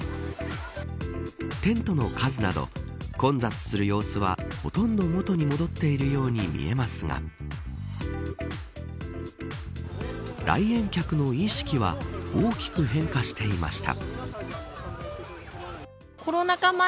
テントの数など混雑する様子はほとんど元に戻っているように見えますが来園客の意識は大きく変化していました。